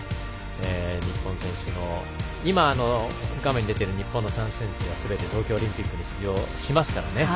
日本選手の画面に出ていた日本の３選手はすべて東京オリンピックに出場しますからね。